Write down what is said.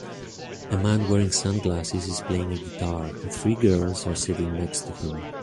A man wearing sunglasses is playing a guitar, and three girls are sitting next to him.